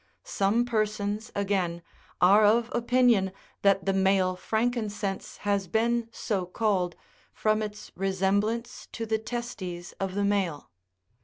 Some persons, again, are of opinion that the male frankincense has been so called from its resemblance1 to the testes of the male.